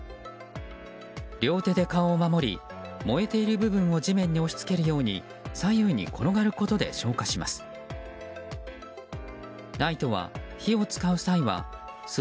両手で顔を守り燃えている部分を地面に押し付けるように左右に転がることで消火します。